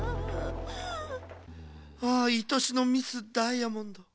ああいとしのミス・ダイヤモンド。